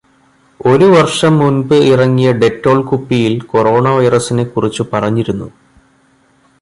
ഒരു വർഷം മുൻപ് ഇറങ്ങിയ ഡെറ്റോൾ കുപ്പിയിൽ കൊറോണവൈറസിനെ കുറിച്ചു പറഞ്ഞിരുന്നു